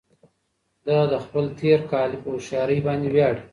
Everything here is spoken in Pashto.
دی د خپل تېرکالي په هوښيارۍ باندې ویاړي.